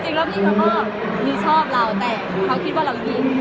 จริงแล้วพี่เขาก็มีชอบเราแต่เขาคิดว่าเรามี